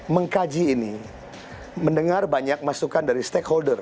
mengkaji ini mendengar banyak masukan dari stakeholder